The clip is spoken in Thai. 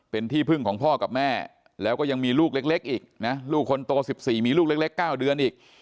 เป็นที่พึ่งของพ่อกับแม่แล้วก็ยังมีลูกเล็กอีกนะลูกคนโต๑๔มีลูกเล็ก๙เดือนอีก